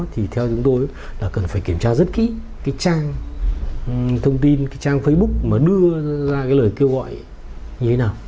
thì theo chúng tôi là cần phải kiểm tra rất kỹ cái trang thông tin cái trang facebook mà đưa ra cái lời kêu gọi như thế nào